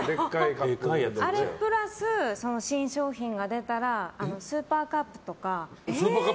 あれプラス新商品が出たらスーパーカップとか。